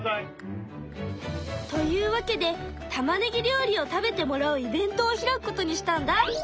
というわけでたまねぎ料理を食べてもらうイベントを開くことにしたんだ！